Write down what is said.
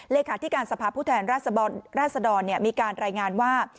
เลขาธิการสภาพผู้แทนราชดรมีการรายงานว่า